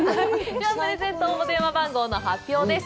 では、プレゼント応募電話番号の発表です。